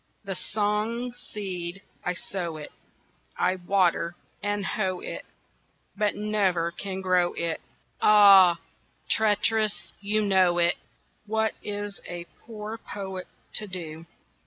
The song seed, I sow it, I water and hoe it, But never can grow it. Ah, traitress, you know it! What is a poor poet to do?